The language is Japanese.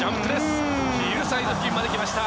ヒルサイズ付近まで来ました。